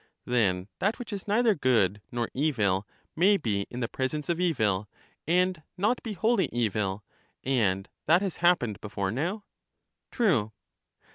Then that which is neither good nor evil may be in the presence of evil, and not be wholly evil, and that has happened before now? Tme.